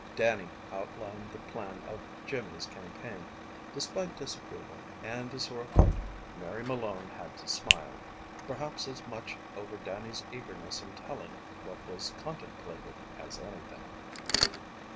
Dannie outlined the plan of Jimmy's campaign. Despite disapproval, and a sore heart, Mary Malone had to smile perhaps as much over Dannie's eagerness in telling what was contemplated as anything.